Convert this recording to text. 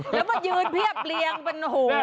แล้วมันยืนเพียบเลี้ยงมันหู